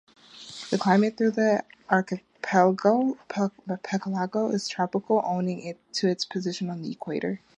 The climate throughout the archipelago is tropical, owing to its position on the equator.